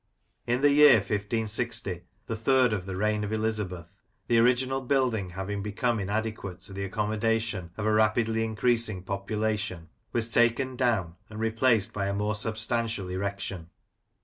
In the year 1560, the third of the reign of Elizabeth, the original building having become inadequate to the accommodation of a rapidly increasing population, was taken down and replaced by a more substantial erection.